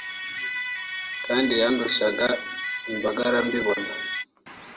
kandi yandushaga imbagara mbibona